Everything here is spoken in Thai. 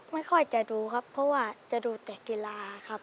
ไม่ค่อยจะดูครับเพราะว่าจะดูแต่กีฬาครับ